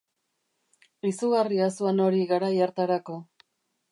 Izugarria zuan hori garai hartarako.